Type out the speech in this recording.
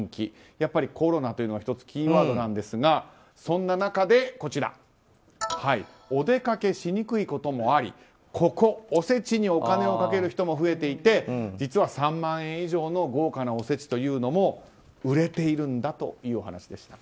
やっぱりコロナというのは１つキーワードなんですがそんな中でお出かけしにくいこともありおせちにお金をかける人も増えていて実は３万円以上の豪華なおせちというのも売れているんだというお話でした。